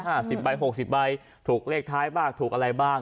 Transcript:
สิบใบหกสิบใบถูกเลขท้ายบ้างถูกอะไรบ้าง